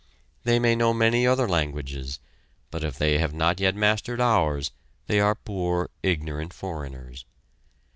They may know many other languages, but if they have not yet mastered ours they are poor, ignorant foreigners.